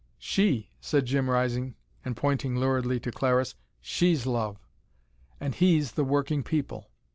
"She!" said Jim, rising and pointing luridly to Clariss. "She's Love. And HE's the Working People.